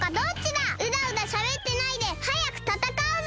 うだうだしゃべってないではやくたたかうぞ！